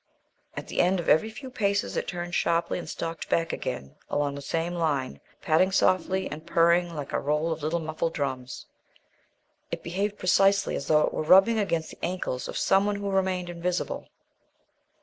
At the end of every few paces it turned sharply and stalked back again along the same line, padding softly, and purring like a roll of little muffled drums. It behaved precisely as though it were rubbing against the ankles of some one who remained invisible.